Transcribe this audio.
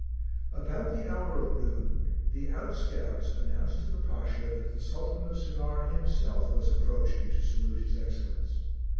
About the hour of noon, the outscouts announced to the Pasha that the Sultan of Sennaar himself was approaching to salute his Excellence.